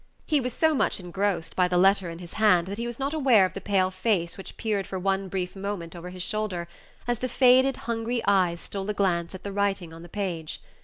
He was so much engrossed by the letter in his hand that he was not aware of the pale face which peered for one brief moment over his shoulder, as the faded, hungry eyes stole a glance at the writing on the page.